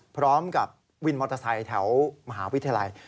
พร้อมกับวินมอเตอร์ไซค์แถวมหาวิทยาลัย